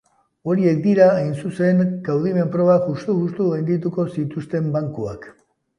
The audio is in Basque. Horiek dira, hain zuzen, kaudimen probak justu-justu gainditu zituzten bankuak.